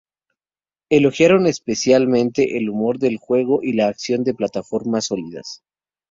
Elogiaron especialmente el humor del juego y la acción de plataformas sólidas.